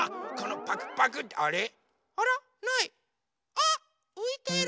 あっういてる！